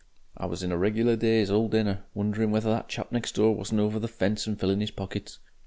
"I was in a regular daze all dinner, wondering whether that chap next door wasn't over the fence and filling 'is pockets.